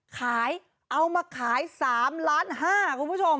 เคยเอามาขาย๓๕ล้านอ่ะคุณผู้ชม